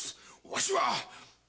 わしは！